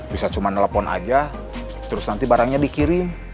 bisa cuma nelfon aja terus nanti barangnya dikirim